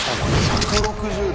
１６０台！